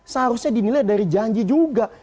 seharusnya dinilai dari janji juga